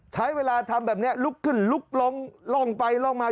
ใช้เวลาทำแบบนี้ลุกขึ้นลุกลงล่องไปล่องมา